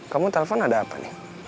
kamu telpon ada apa nih